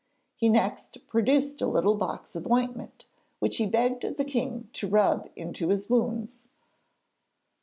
He next produced a little box of ointment, which he begged the king to rub into his wounds.